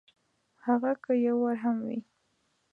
هغه که یو وار هم وي !